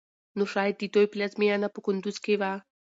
نو شايد د دوی پلازمېنه په کندوز کې وه